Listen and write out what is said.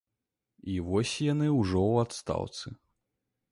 І вось яны ўжо ў адстаўцы.